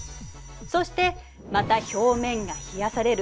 そしてまた表面が冷やされる。